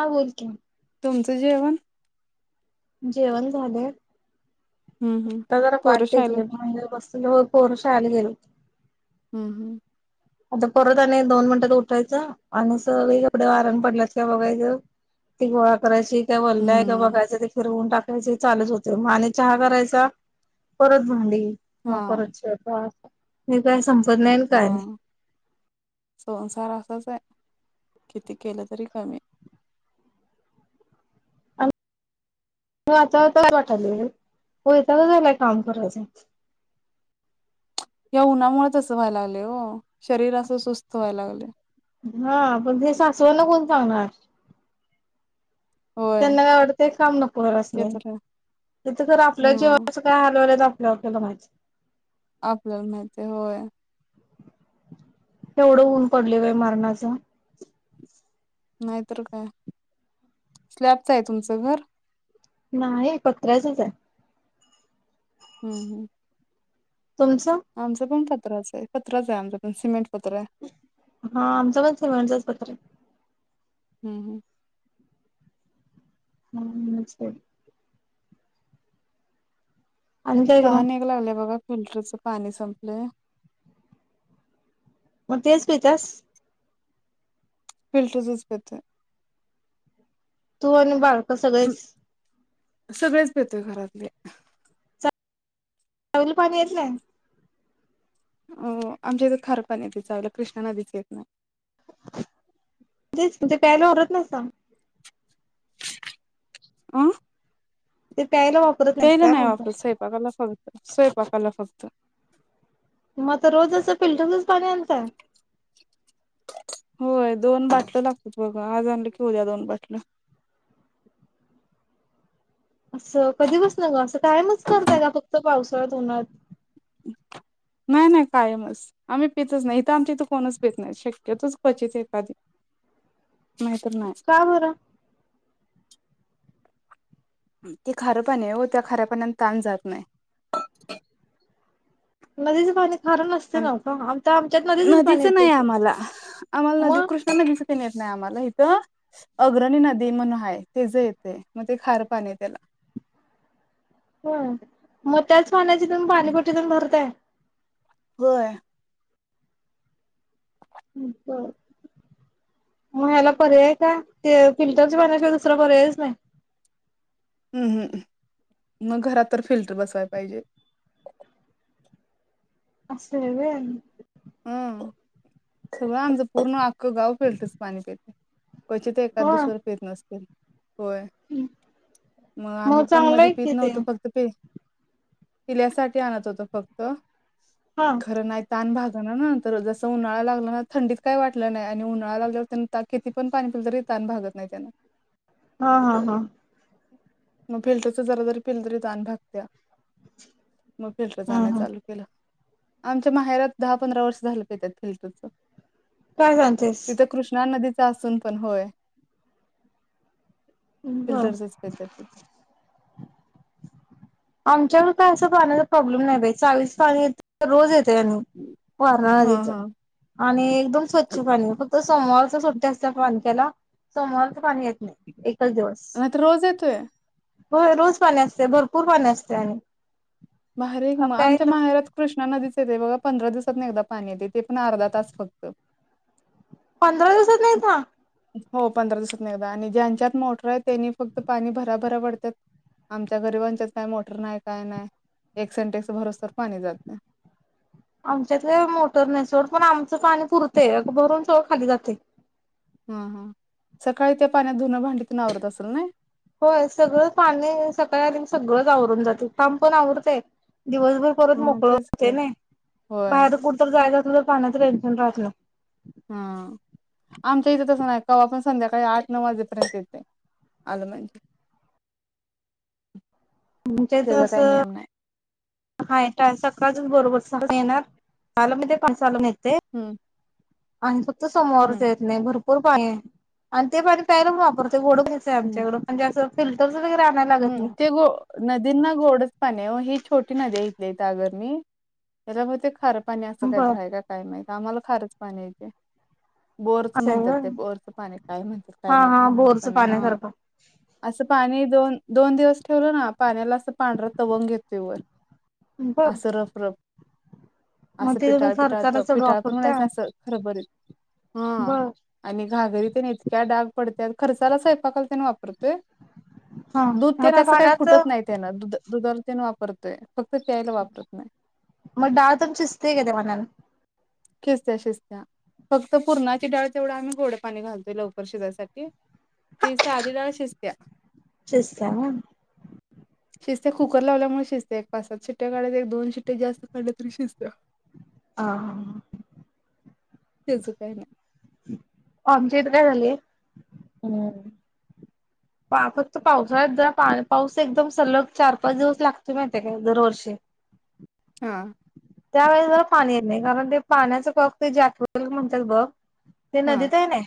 हा बोल की, तुमचं जेवण? जेवण झालय, हम्म हम्म आता जरा पाट पोरं शाळेला टेकले म्हणजे होय, पोर शाळेला गेलेत. हम्म हम्म आता परत आणि दोन मिनिटात उठायचं आणि सगळी कापडे वाऱ्यानं पडल्यात का बघायचं. ती गोळा करायची, काय वल्ल हाय का हम्म. बघायच, ते फिरवून टाक कायची, हे चालूच होते मग आणि चहा करायचा, परत भांडी मग हा परत स्वयंपाक, हे काय संपत नाही अन् काय नाही. हा संसार असाच आहे, किती केलं तरी कमी. आता आता वाटायलय, वैतागच आलंय काम करायचं. या उन्हामुळच असं व्हाय लागलय ओ शरीर असं सुस्त व्हाय लागलय. हा, पण ते सासवना कोण सांगणार? होय. त्यांना काय वाटतंय, काम नको ते असतय तर आहे. इथ खरं आपल्या हम्म जीवाच काय हाल व्हाव्यात, आपल आपल्याला माहित. आपल्याला माहिती, होय केवढ ऊन पडलय बाई मरणाच. नाहीतर काय, स्लॅपचं आहे तुमचं घर? नाही पत्र्याचच आहे. हम्म हम्म तुमचं? आमच पण पत्राच आहे, पत्राच आहे आमचं पण सिमेंट पत्र आहे. हा आमचं पण सिमेंटचच पत्र आहित. हं हं हम नमस्ते आणि काय मग तहान एक लागले बघा, फिल्टरचं पाणी एक संपलंय मग तेच पित्यास? फिल्टरचच पितोय. तू आणि बाकीचे सगळेच सगळेच पेतोय घरातले. चावीला पाणी येत नाही? अं आमच्या इथं खारपणी येतय चावीला, कृष्णा नदीच येत नाही. तेच ते प्यायला भरत नाहीसा? अं ते प्यायला वाप ते प्यायला नाही वापरत, स्वयपाकाला फक्त स्वयंपाकाला फक्त. मग रोज असं फिल्टरचच पाणी आणताय? होय, दोन बाटल्या लागतात बघ, आज आणलं की उद्या दोन बाटल्या. असं कधी पासणं ग, असं कायमच करताय का फक्त पावसाळ्यात उन्हाळ्यात? नाही नाही कायमच. आम्ही पितच नाही इथ आमच्या इथ कोणच पित नाही शक्यतोच क्वचित एखादी नाहीतर नाही का बर ते खारंपण आहे ओ त्या खाऱ्या पाण्याने तहान जात नाही नदीचं पाणी खारं नसतय अन नव्ह का आमच्यात नदीचच पाणी नदीचं येत की मग नुसता नदीचं येन येत नाही आम्हाला इथ अग्रणी नदी म्हणून आहे तीच येतय मग ते खार पाणी त्याला हो मग त्याच पाण्याची तुम्ही पाणीपट्टी तेन भरताय होय हम्म बर होय मग याला पर्याय काय ते फिल्टरच्या पाण्याशिवाय दुसरा पर्यायच नाही अंहह मग घरात तर फिल्टर बसवायला पाहिजे असं आहे होय हम सगळं आमचं पूर्ण अख्खं गाव फिल्टतच पाणी पितय क्वचित एखाद होय दुसऱ पित नसतील होय मग आम्ही पण चांगलं मधी आहे पित कि ते. नव्हतो फक पिल्यासाठी आणत होत फक्त हा खरं नाही तहान भागत त्यानंतर जस उन्हाळा लागला ना थंडीत काय वाटलं नाही आणि उन्हाळा लागल्यावर ना किती पण पाणी पिलं तरी तहान भागत नाही त्यान ह, ह, ह मग फिल्टरच जरा जरी पहीलं तरी तान भागत्या मग फिल्टरच हा आणायच हा चालू आमच्या माहेरात दहा पंधरा वर्ष झालं पित्यात फिल्टरच काय सांगतेस कृष्णा नदीच असून पण होय बर फिल्टरचच पित्यात ते आमच्यावर असं काय पाण्याचा प्रॉब्लेम नाही बाई चावीच पाणी येत रोज येते आणि वारणा हा नदीच हा आणि एकदम स्वच्छ पाणी फक्त सोमवारच सुट्टी असत्या पानक्याला सोमवारच पाणी येत नाही एकच दिवस नाहीतर रोज येतय होय रोज पाणी असते भरपूर पाणी असते आणि भारी आहे की हा म आमच्या प्यायला माहायरात कृष्णा नदीच येते बघा पंधरा दिवसातनी एकदा पाणी येते ते पण अर्धा तास फक्त पंधरा दिवसातन एकदा? हो पंधरा दिवसातन एकदा आणि ज्यांच्यात मोटर आहे त्यांनी फक्त पाणी भराभरा वडत्यात आमच्या गरीबांच्यात काय मोटर नाही काय नाही एक सेंटेक्स भरूस तोवर पाणी जातय आमच्यात होय मोटर नाही सोड पण आमचं पाणी पुरतेय भरून सगळ खाली जातय हम हा सकाळी त्या पाण्यात धुनं भांडीतेन आवरत असेल नाही होय सगळं पाणी सकाळीच आल तर सगळंच आवरून जाते काम पण आवरतय दिवसभर परत हा मोकळ तेच की. होते नाही होय बाहेर कुठ तर जायचं असल तर पाण्याचं टेन्शन राहत नाही हम आमच्या इथं तसं नाही कवा पण संध्याकाळी आठ, नऊ वाजेपर्यंत येतय आल म्हण आमच्या इथ असं हाय सकाळच बरोबर सहाला, सहाला म्हणजे पाच सहा ला पण येतेय हं आणि फक्त समोवरच येत नाही भरपूर पाणी आहे आणि ते पाणी प्यायर वापरते गोड हम्म. आच्याकडणे फिल्टर् वग हम्म ते गो नदींना गोडच पाणे हो छोटी नदी ऐथली आगरमी त्याच्या मुळ ते खार पाणी असं काहीच बर फायदाय काय माहित आम्हाला खारच पाणी येत बोअरचं असं आहे म्हणतात ते होय बोअरचं पाणी काय म्हणतात हा काय हा माहि माहत बोरचं पण नाही ह पाण्यासारखं असं पाणी दोन दोन दिवस ठेवलं ना पाण्याला असं पांढर तवंग घेतो वर बर अससरफ रप मग असं ते तुम्ही पिटाळ पिटाळत खर्चाला चढ पिटाळ पण वापरता म्हणायचं असं खरबरीत हा. बर आणि घागरी त्याने इतक्या डाग पडत्या खर्चाला सायपाकाल त्यांनी वापरतोय हा दूध मग त्याला त्या असं काही पाण्यात फुटत नाही त्यान दु दुधाला तेन वापरतोय फक्त प्यालावापरत नाही मग डाळ तुमची शिस्ते का ते पाण्यानान खिस्त्या शिजत्या फक्त पुूरणाची डाळ तेवढा आम्ही गोड पाणी घालतोय लवकर शिजयसाठी शिस आधि दाळ शिष्य त्या शिस सा उन शिजत्या कुकरर लावल्यामुळे शिजत्या एक पाच सात शिट्ट्या काढत दोनशिट्ट्या जास्त काढ तरी शिस्त्या आ आ हा हा तेच हो तयना आमची इथ काय झालीय हम् पाफक्त पावसाळ्यात जरा पा पाऊस एकदम सलग चार पाच दिवस लागतो माहिती काय दरवर्षी हा त्यावेळेस जला पाणी येत नाही कारण ते पाण्याचं कक् ते जाठवल म्हणतात बघ ते हा नदीत आहे ना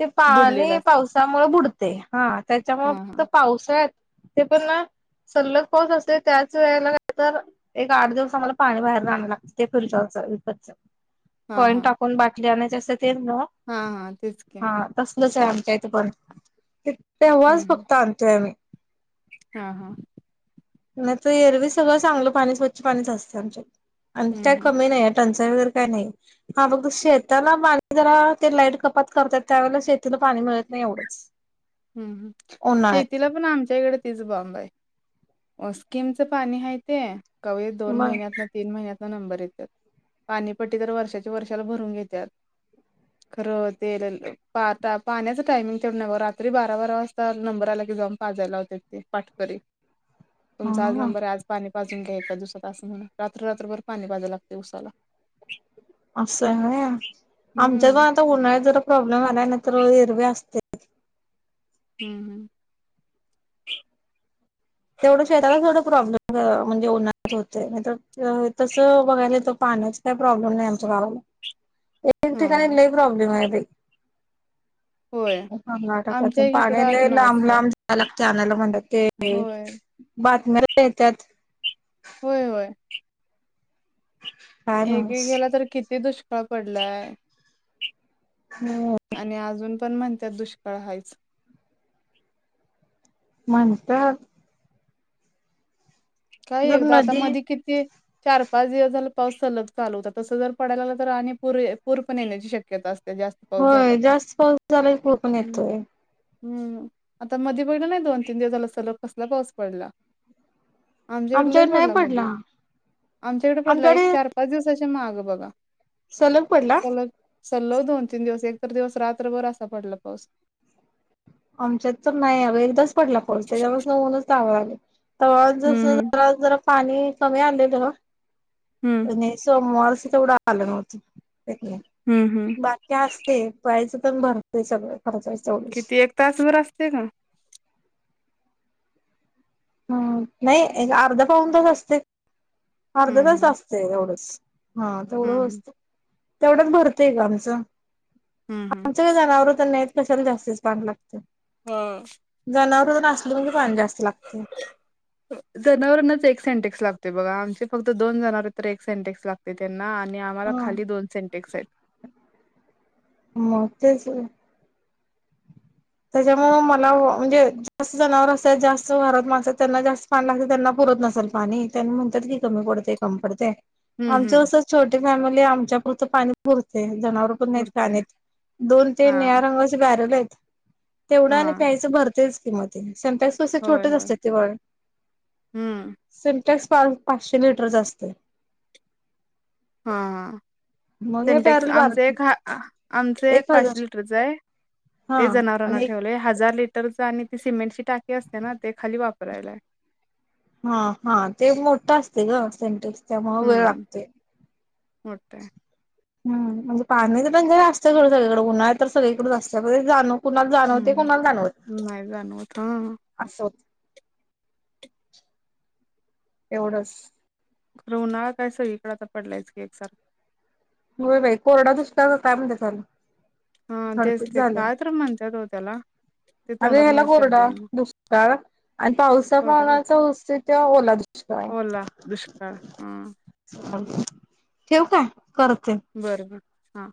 ते बुडलेलं पाणी असतं पावसामुळे बुडते हा त्याच्यामुळे हा हा फक्त पावसात ते पण ना सल्लग पाऊस असते त्याच वेळेलार एक तर एक आठ दिवस आम्हाला पाणी बाहेर राग लागत ते फुलचावरच विकतच हा कॉइन हा टाकून बाटली आणचे असं तेच नव हा हा तेच के तसलच आहे आमच्या इथे पण त तेवा्हाच हम्म फघत आणतोय आम्ही हा हा नाही तर एरवी सगळं चांगलं पाणी स्वच्छ पाणीच असते आमच्या आणि हम्म काय हम्म कमी नाही टंचाई वगैरे काय नाही हा बघत शेताला पाणी जरा ते लाईट कपात करतात त्यावेळेला शेतीला पाणी मिळत नाही एवढंच हम्म उन्हाळ्यात शेतीला पण आमच्या इकडे तिच बॉम्ब आहे उस्किमच पाणी ह ते. क दोन मग महिन्यात. तीन महिन्याचा नंबर येतात पाणीपट्टी तर वर्षाच्या वर्षाला भरून घेतात. खरं तेल पा पाहण्याच टायमिंग तेव न बर तरी बारा बारा वाजता नंबर आला की जाऊन पाजायला होते ते पाठकरी तुमचा आज हा नंबर आहे आज पाणी वाजून घ्या एका दिवसात असं म्हण रात्र रात्रभर पाणी वाजाव लागते उसाला असं आहे आमच्यातगाव हम्म आता उन्हा्यात जरा प्रॉब्लेम आलाय ना तर एरवी असते हं, हं. तेवढं शेताला तेवढं प्रॉब्लेम म्हणजे, उन्हाळ्यात होतय नाही- तस बघायला तर पाण्याचा काय प्रॉब्लेम नाही आमच्या गावाला. [inaudible] ए [unintelligible] ठिकाणी हा नाही प्रॉब्लेम आहे. होय आमच्या हटकतून इकडं पाणी ल अजून लांब असं लांब. [unintelligible] लागते आणायला म्हणतात ते होय बातम्या येतात. [unintelligible] होय होय. ह. [inaudible] एकेकेला तर किती दुष्काळ पडलाय. हा. [unintelligible] आणि अजून पण म्हणतात दुष्काळ हायच. म्हणत्यात- काय जर एकदा आता नदी मधी किती- चार, पाच दिवस झाला पाऊस सलग चालू होता, तस जर पडाय लागला तर आणि पुर पूर पण येण्याची शक्यता असते जास्त. पाऊस झाला होय, की जास्त पाऊस झाला क को [unintelligible] पण हम्म येतोय. हम्म, आता मध्ये पहिला नाही दोन, तीन दिवस झाला सलग कसला पाऊस पडला? आमच्याकड लय आमच्याकडे नाही पडला मधी, आमच्याकडे पडला एक चार- पाच दिवसांच्या माग बघा, सलग पडला सलग- सलग दोन, तीन दिवस एक तर दिवस रात्रभर असा पडला पाऊस. आमच्यात तर नाही ह, एकदाच पडला पाऊस त्याच्यावर उनच लागालय. तर जस हम्म जरा, जरा, पाणी कमी आलेल. हम्म. नाही, सोमवारच तेवढं आलं होतं. हम्म. हम्. बाक्या असते, पळायचं पण भरते सगळं खर्चाच्या वढेस. किती एक तासभर असते का? हम्म, नाही अर्ध पाऊन तास असतय, अर्ध हम्म तास हम्म असतय एवढंच. हा, तेवढं हम्म असतय, तेवढंच भरतंय ग आमचं. हम्म हम्म हम्म. आमचं जनावर तर नाहीत, कशाला जास्तच पाणी लागतय. हो, जनावर तेन असल म्हणजे पाणी जास्त लागत. जनावरांनाच एक सेंटेक्स लागते बघा, आमचे फक्त दोन जनावर तर एक सेंटेक्स लागते त्यांना आणि- आम्हाला हा खाली दोन सेटेक्स आहेत. मग तेच की. त्याच्यामुळे मला म्हणजे- अस जनावर असतात जास्त घरात माणस त्यांना जास्त पाणी लागत त्यांना पुरत नसाल पाणी, त्यांना म्हणतात की, कमी पडतय. कमी पडतय, हम्म आमची हम्म कस छोटी फॅमिली आमच्या पुरत पाणी पुरते जनावर- पुरतय खाणी [unintelligible] दोन, तीन हा निळ्या रंग असे भरले आहेत. तेवढा आणि हा प्यायचं भरतेच की मग ते सेंट- तसे होय छोटेच होय असते ते वळ, हम्म सिम्टेक्स पा पाचशे लिटरच असतय. हा, मग हे सिंटेक्स बॅरल आमच बारकी एक हा आमचं एक पाचशे लिटरच आहे- हा ते जनावरांना आणि एक ठेवलेय, हजार लिटरच आणि ती सिमेंटची टाकी असते ना ते खाली वापरायला आहे. हा, हा, ते मोठा असतय ग सेंटेक्स त्यामुळे वेळ लागतय. होतेय [unintelligible] हम म्हणजे पाणी पण असत सोडं सगळीकडे उन्हाळ्या तर सगळीकडेच असतण जाणू [unintelligible] कुणाला जाणवते हम्म कुणाला जाणवते नाही जाणवत हा असं होत. तेवढंच. उन्हाळा काय सगळीकडे आता पडलायच की एकसारखं. हो बाई कोरडा दुषकाचय म्हण त्याला. हा तेच झडतीच की झाल्या काय तर म्हणतात हो त्याला. ते अग तोंडात याला माझ्या शब्द कोरडा येईना दुसकाळ आणि पावसा कोरडा दुष्काळ, पावण्याचा उस्त ते ओला दुष्काळ आहे. ओला दुष्काळ हा ठेव का करत ते? बरोबर हा.